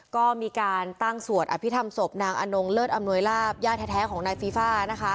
ก็มีการตั้งสวดอภิษฐรรมศพนางอนงเลิศอำนวยลาบย่าแท้ของนายฟีฟ่านะคะ